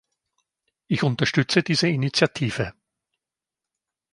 Ich unterstütze diese Initiative.